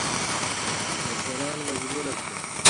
مشران مجبور کړل.